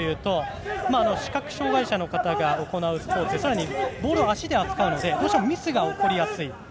視覚障がいの方が行うスポーツでボールを足で扱うのでどうしてもミスが起こりやすい。